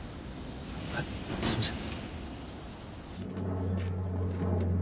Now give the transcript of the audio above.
はいすいません。